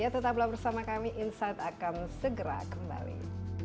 tetap belum bersama kami insight akan segera kembali